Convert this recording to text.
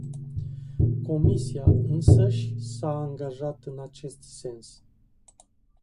Comisia însăși s-a angajat în acest sens.